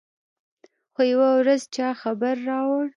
خو يوه ورځ چا خبر راوړ.